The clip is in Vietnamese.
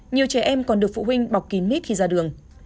nhiều trẻ em còn được phụ huynh bọc kín mít khi ra đường